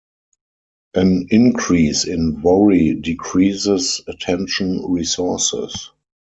An increase in worry decreases attention resources.